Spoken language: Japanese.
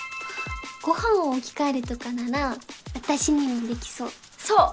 ご飯を置き換えるとかなら私にもできそうそう！